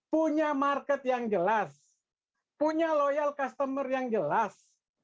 punya market yang jelas punya loyal customer yang jelas